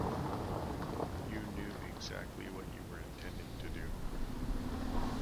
You knew exactly what you were intending to do.